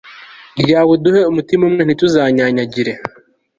ryawe, uduhe umutima umwe, ntituzanyanyagire